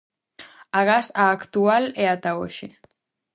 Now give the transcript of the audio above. Agás a actual e ata hoxe.